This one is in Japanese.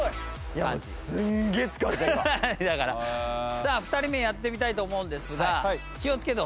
さあ２人目やってみたいと思うんですが。